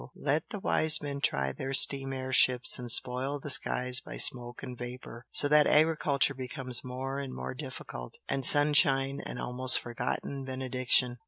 Let the wise men try their steam air ships and spoil the skies by smoke and vapour, so that agriculture becomes more and more difficult, and sunshine an almost forgotten benediction!